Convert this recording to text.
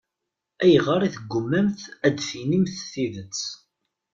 Ayɣer i teggummamt ad d-tinimt tidet?